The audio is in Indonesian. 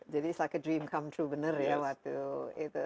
jadi it's like a dream come true bener ya waktu itu